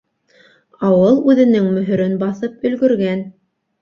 Ауыл үҙенең мөһөрөн баҫып өлгөргән...